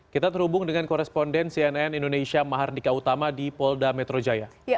kita terhubung dengan koresponden cnn indonesia mahardika utama di polda metro jaya